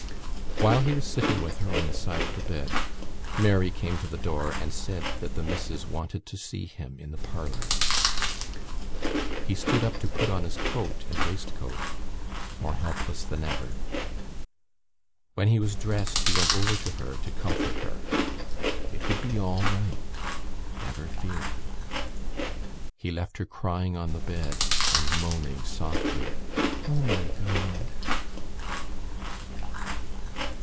While he was sitting with her on the side of the bed Mary came to the door and said that the missus wanted to see him in the parlour. He stood up to put on his coat and waistcoat, more helpless than ever. When he was dressed he went over to her to comfort her. It would be all right, never fear. He left her crying on the bed and moaning softly: _"O my God!"